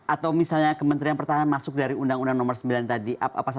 atau misalnya kementerian pertahanan masuk dari undang undang nomor sembilan tadi